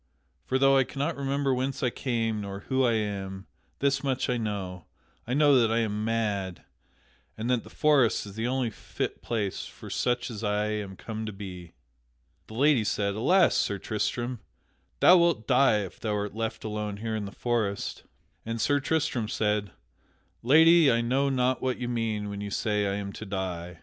For though I cannot remember whence I came, nor who I am, this much I know I know that I am mad, and that the forest is the only fit place for such as I am come to be." The lady said: "Alas, Sir Tristram, thou wilt die if thou art left alone here in the forest." And Sir Tristram said: "Lady, I know not what you mean when you say I am to die.